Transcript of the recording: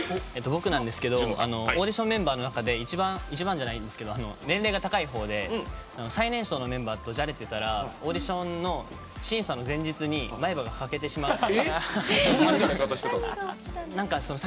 オーディションメンバーの中で年齢が高いほうで最年少のメンバーとじゃれてたらオーディションの審査の前日に前歯が欠けてしまった。